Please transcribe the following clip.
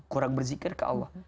kurang berzikir ke allah